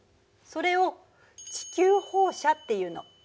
それを「地球放射」っていうの。